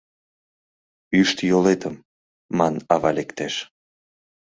— Ӱшт йолетым, — ман ава лектеш.